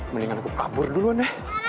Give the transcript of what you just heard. mendingan aku kabur dulu nek